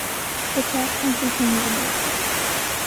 The cross country team is amazing.